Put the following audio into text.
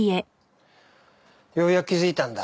ようやく気づいたんだ。